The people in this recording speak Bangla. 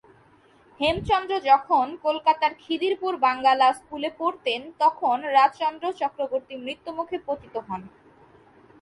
হেমচন্দ্র যখন কলকাতার খিদিরপুর বাঙ্গালা স্কুলে পড়তেন তখন রাজচন্দ্র চক্রবর্তী মৃত্যুমুখে পতিত হন।